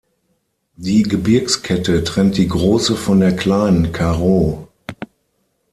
Die Gebirgskette trennt die Große von der Kleinen Karoo.